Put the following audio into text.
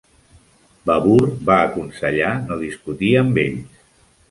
Babur va aconsellar no discutir amb ells.